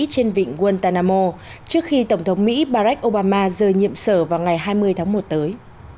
trên vịnh waltanamo trước khi tổng thống mỹ barack obama rời nhiệm sở vào ngày hai mươi tháng một tới